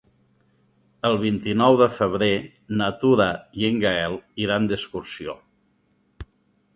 El vint-i-nou de febrer na Tura i en Gaël iran d'excursió.